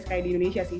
kayak di indonesia sih